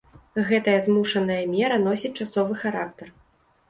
Гэтая змушаная мера носіць часовы характар.